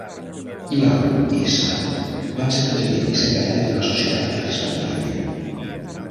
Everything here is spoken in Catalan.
Yeung i Sun van ser president i secretari de la Societat respectivament.